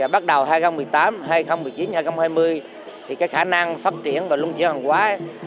bắt đầu hai nghìn một mươi tám hai nghìn một mươi chín hai nghìn hai mươi thì cái khả năng phát triển và lung chiến hành quái